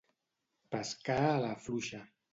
Pescar a la fluixa.